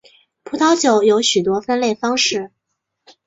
葡萄酒有许多分类方式。